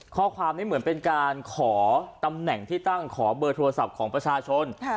ข้อความนี้เหมือนเป็นการขอตำแหน่งที่ตั้งขอเบอร์โทรศัพท์ของประชาชน